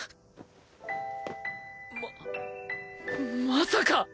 ままさか！